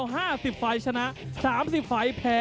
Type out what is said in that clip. สวัสดีครับท้ายรับมวยไทยไฟเตอร์